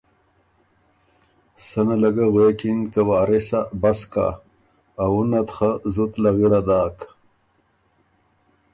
سنه له ګۀ غوېکِن که ”وارثا! بس کَۀ، آ وُنه ت خه زُت لغِړه داک،